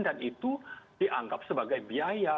dan itu dianggap sebagai biaya